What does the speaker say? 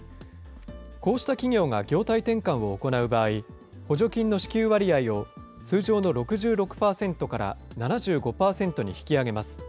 こうした企業が業態転換を行う場合、補助金の支給割合を通常の６６％から７５％に引き上げます。